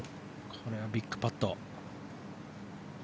これはビッグパット。